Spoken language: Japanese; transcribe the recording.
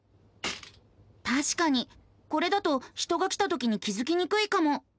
たしかにこれだと人が来たときに気付きにくいかも。